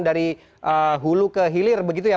dari hulu ke hilir begitu ya